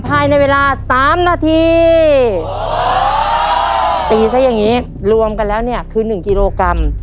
ภายในเวลาสามนาทีตีซะอย่างงี้รวมกันแล้วเนี่ยคือหนึ่งกิโลกรัม